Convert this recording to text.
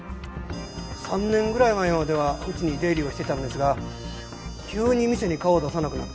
３年ぐらい前まではうちに出入りをしてたんですが急に店に顔を出さなくなって。